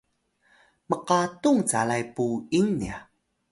mqatung calay puying nya